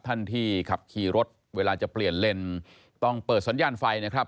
ท่านที่ขับขี่รถเวลาจะเปลี่ยนเลนต้องเปิดสัญญาณไฟนะครับ